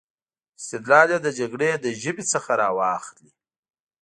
استدلال یې د جګړې له ژبې څخه را واخلي.